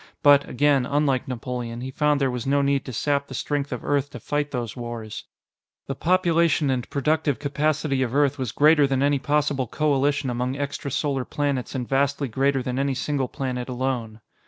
But, again, unlike Napoleon, he found there was no need to sap the strength of Earth to fight those wars. The population and productive capacity of Earth was greater than any possible coalition among extra Solar planets and vastly greater than any single planet alone.